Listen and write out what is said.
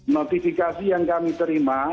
notifikasi yang kami terima